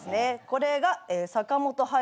これが坂本勇人。